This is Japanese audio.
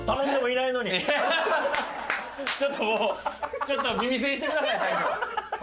ちょっともうちょっと耳栓してください大将。